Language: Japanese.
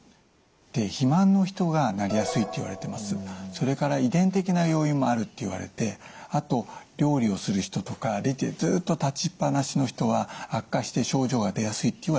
それから遺伝的な要因もあるっていわれてあと料理をする人とかレジでずっと立ちっぱなしの人は悪化して症状が出やすいっていわれています。